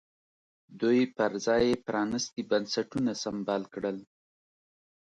دوی پر ځای یې پرانیستي بنسټونه سمبال کړل.